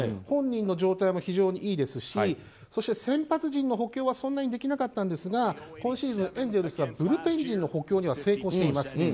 本人の状態も非常にいいですし先発陣の捕球はそんなにできなかったんですが今シーズン、エンゼルスはブルペン陣の補強には成功しています。